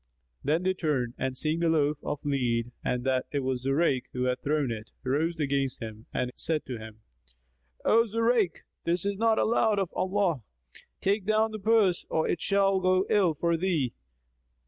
Then they turned and seeing the loaf of lead and that it was Zurayk who had thrown it, rose against him and said to him, "O Zurayk, this is not allowed of Allah! Take down the purse or it shall go ill for thee."